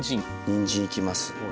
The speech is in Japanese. にんじんいきます。